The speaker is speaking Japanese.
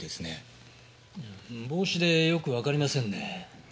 帽子でよくわかりませんね。